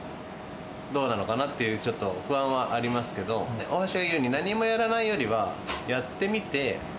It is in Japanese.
どうなのかなっていう、ちょっと不安はありますけど、大橋が言うように、何もやらないよりはやってみて。